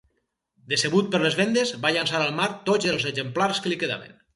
Decebut per les vendes va llençar al mar tots els exemplars que li quedaven.